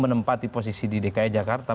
menempati posisi di dki jakarta